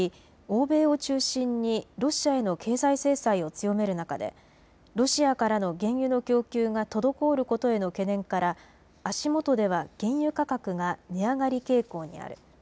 欧米を中心にロシアへの経済制裁を強める中でロシアからの原油の供給が滞ることへの懸念から足元では原油価格が値上がり傾向にある。